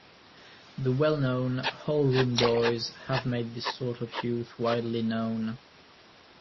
The well-known "Hall Room Boys" have made this sort of youth widely known.